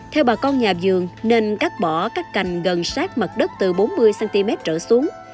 theo bà con nhà vườn nên cắt bỏ các cành gần sát mặt đất từ bốn mươi cm trở xuống